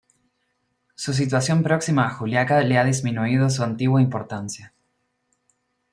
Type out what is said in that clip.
Su situación próxima a Juliaca le ha disminuido su antigua importancia.